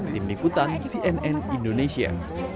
tim nikutan cnn indonesia